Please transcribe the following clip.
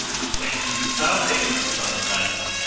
'When didst thou leave the son of Adam?'